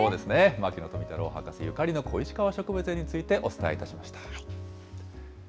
牧野富太郎博士ゆかりの小石川植物園についてお伝えいたしました。